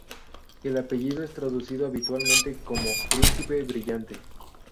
El apellido es traducido habitualmente como "príncipe brillante".